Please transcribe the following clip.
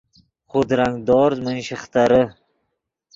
خودرنگ دورز من شیخترے